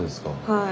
はい。